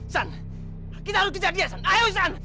san kita harus kejar dia san ayo san